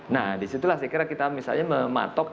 nah disitulah saya kira kita misalnya mematok